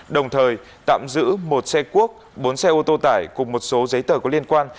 đồng thời tạm giữ một xe cuốc bốn xe ô tô tải cùng một số giấy tờ có liên quan